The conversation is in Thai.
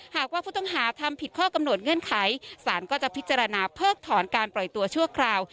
หากว่าผู้ต้องหาทำผิดข้อกำหนดเงื่อนไขสารก็จะพิจารณาเพิกถอนการปล่อยตัวชั่วคราว